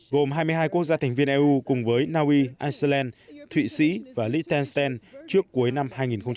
gồm hai mươi hai quốc gia thành viên eu cùng với naui iceland thụy sĩ và lithensland trước cuối năm hai nghìn một mươi chín